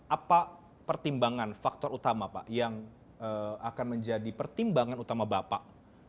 apa pertimbangan faktor utama pak yang akan menjadi pertimbangan utama bapak